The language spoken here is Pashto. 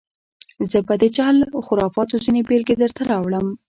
زه به د جهل و خرافاتو ځینې بېلګې دلته راوړم.